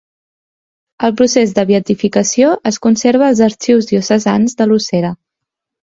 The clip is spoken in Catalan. El procés de beatificació es conserva als arxius diocesans de Lucera.